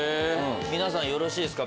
皆さんよろしいですか？